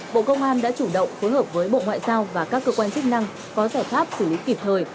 bộ công an đã chủ động phối hợp với bộ ngoại giao và các cơ quan chức năng có giải pháp xử lý kịp thời